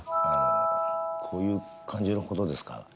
あのこういう感じの事ですか？